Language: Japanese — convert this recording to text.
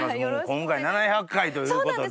今回７００回ということで。